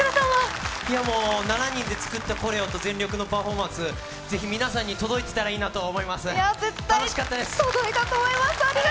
７人で作った全力のパフォーマンス、ぜひ皆さんに届いていたらいいなと思います。